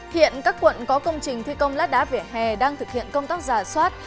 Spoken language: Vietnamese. hiện các quận có công trình thi công lát đá vỉa hè đang thực hiện công tác giả soát